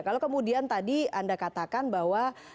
kalau kemudian tadi anda katakan bahwa